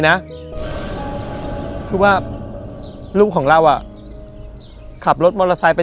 จนถึงวันนี้มาม้ามีเงิน๔ปี